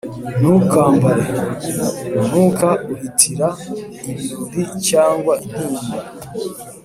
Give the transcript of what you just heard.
ntukambare umwuka uhatira ibirori cyangwa intimba.